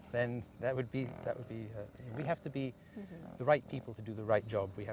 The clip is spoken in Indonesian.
menjadi orang yang benar untuk melakukan pekerjaan yang benar